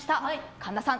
神田さん